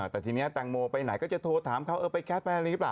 แต่ทีนี้แตงโมไปไหนก็จะโทรถามเขาเออไปแคสแฟนอะไรหรือเปล่า